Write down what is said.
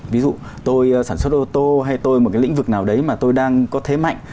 ví dụ tôi sản xuất ô tô hay tôi một cái lĩnh vực nào đấy mà tôi đang có thế mạnh